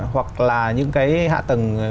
hoặc là những cái hạ tầng